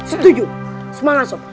setuju semangat sob